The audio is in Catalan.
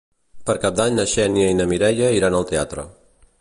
Per Cap d'Any na Xènia i na Mireia iran al teatre.